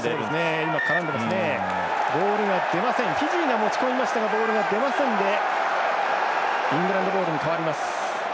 フィジーが持ち込みましたがボールが出ませんでイングランドボールに変わります。